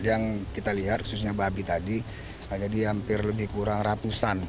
yang kita lihat khususnya babi tadi jadi hampir lebih kurang ratusan